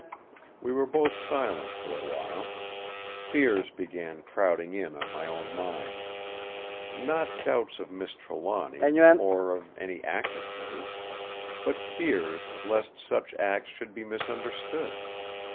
We were both silent for a while. Fears began crowding in on my own mind. Not doubts of Miss Trelawny, or of any act of hers; but fears lest such acts should be misunderstood.